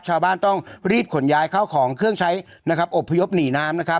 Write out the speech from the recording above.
ชาวบ้านต้องรีบขนย้ายเข้าของเครื่องใช้นะครับอบพยพหนีน้ำนะครับ